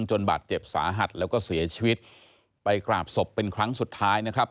จนบาดเจ็บสาหัสแล้วก็เสียชีวิตไปกราบศพเป็นครั้งสุดท้ายนะครับ